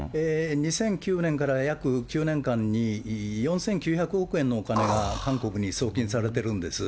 ２００９年から約９年間に、４９００億円のお金が韓国に送金されてるんです。